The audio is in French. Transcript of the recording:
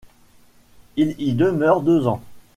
Il y demeure deux ans.